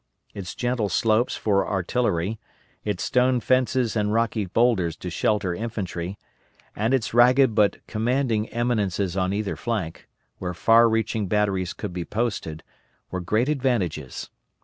Its gentle slopes for artillery, its stone fences and rocky boulders to shelter infantry, and its ragged but commanding eminences on either flank, where far reaching batteries could be posted, were great advantages.